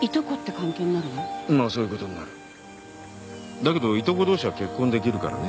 だけどいとこ同士は結婚できるからね。